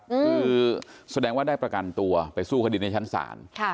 คือแสดงว่าได้ประกันตัวไปสู้คดีในชั้นศาล